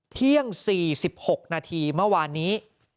เที่ยง๔๖นาทีเมื่อวานนี้